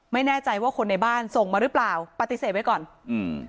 ไม่แน่ใจว่าคนในบ้านส่งมาหรือเปล่าปฏิเสธไว้ก่อนอืม